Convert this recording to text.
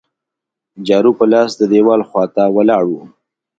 جارو په لاس د دیوال خوا ته ولاړ وو.